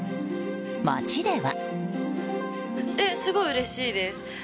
街では。